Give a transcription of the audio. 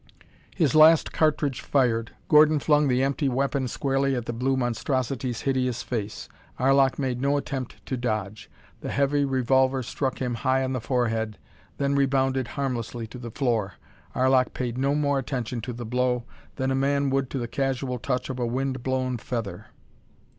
His last cartridge fired, Gordon flung the empty weapon squarely at the blue monstrosity's hideous face. Arlok made no attempt to dodge. The heavy revolver struck him high on the forehead, then rebounded harmlessly to the floor. Arlok paid no more attention to the blow than a man would to the casual touch of a wind blown feather.